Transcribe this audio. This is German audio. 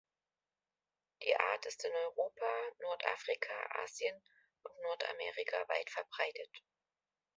Die Art ist in Europa, Nordafrika, Asien und Nordamerika weit verbreitet.